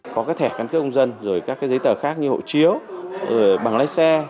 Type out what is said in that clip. có các thẻ căn cước công dân rồi các giấy tờ khác như hộ chiếu bằng lái xe